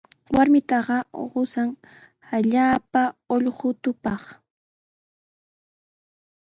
Warmitaqa qusan allaapa ullqutupaq.